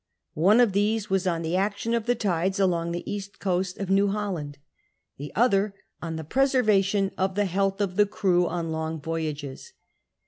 One of these was on the action of the tides along the cast coast of New Holland, the other on the preservation of the health of the crew on long voyages.